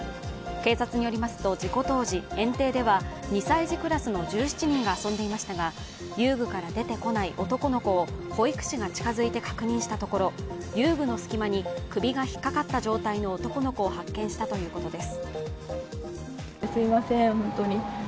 警察によりますと、事故当時、園庭では２歳児クラスの１７人が遊んでいましたが遊具から出てこない男の子を保育士が近づいて確認したところ遊具の隙間に首が引っ掛かった状態の男の子を発見したということです。